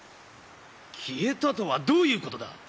消えたとはどういうことだ？